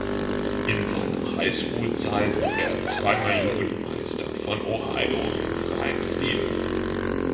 In seiner High-School-Zeit wurde er zweimal Jugendmeister von Ohio im freien Stil.